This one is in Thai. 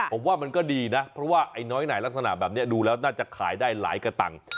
ผมว่ามันก็ดีนะเพราะว่าไอ้น้อยไหนลักษณะแบบนี้ดูแล้วน่าจะขายได้หลายกระตังค์